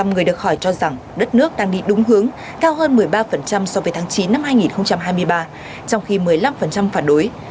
bảy mươi người được hỏi cho rằng đất nước đang đi đúng hướng cao hơn một mươi ba so với tháng chín năm hai nghìn hai mươi ba trong khi một mươi năm phản đối